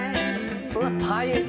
うわ大変！